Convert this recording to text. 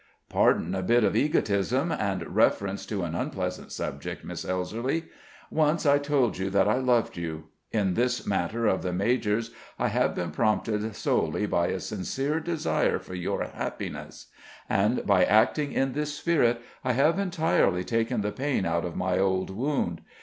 "] "Pardon a bit of egotism and reference to an unpleasant subject, Miss Elserly, Once I told you that I loved you; in this matter of the major's, I have been prompted solely by a sincere desire for your happiness; and by acting in this spirit I have entirely taken the pain out of my old wound.